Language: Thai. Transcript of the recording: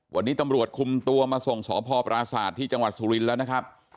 วันนี้ตำรวจคุมตัวมาส่งสพปราศาสตร์ที่จังหวัดสุรินทร์แล้วนะครับ